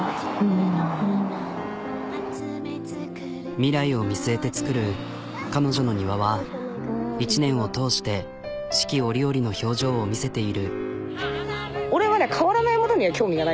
未来を見据えて造る彼女の庭は１年を通して四季折々の表情を見せている。